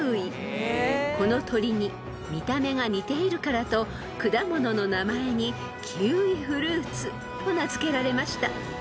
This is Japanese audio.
［この鳥に見た目が似ているからと果物の名前にキウイフルーツと名付けられました］